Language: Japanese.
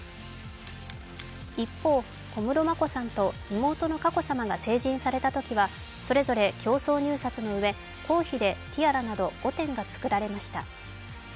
一方、小室眞子さんと妹の佳子さまが成人されたときはそれぞれ競争入札のうえ、公費でティアラなど５点が作られました。